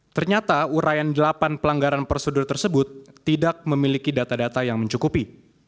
ternyata urayan delapan pelanggaran prosedur tersebut tidak memiliki data data yang mencukupi